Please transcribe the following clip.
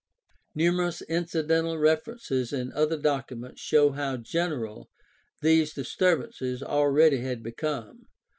Numerous incidental references in other documents show how general these disturbances already had become (e.